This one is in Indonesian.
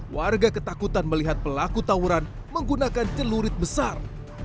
warga ketakutan melihat pelaku tawuran menggunakan celurit besar